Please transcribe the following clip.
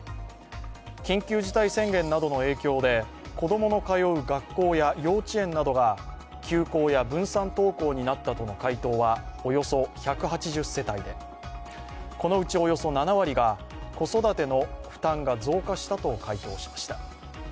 緊急事態宣言などの影響で子供の通う学校や幼稚園などが休校や分散登校になったとの回答はおよそ１８０世帯で、このうちおよそ７割が子育ての負担が増加したと回答しました。